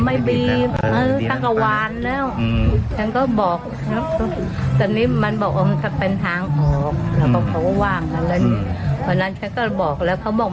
ไม่บีบเออจังหวานแล้วอืมฉันก็บอกครับตอนนี้มันบอกว่ามันจะเป็นทางออก